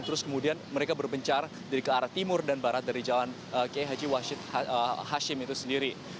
terus kemudian mereka berbencar dari ke arah timur dan barat dari jalan kiai haji hashim itu sendiri